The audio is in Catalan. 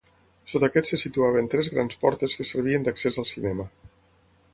Sota aquest se situaven tres grans portes que servien d'accés al cinema.